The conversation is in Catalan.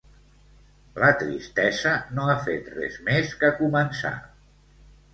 La tristesa no ha fet res més que començar.